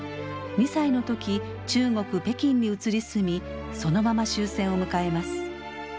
２歳の時中国・北京に移り住みそのまま終戦を迎えます。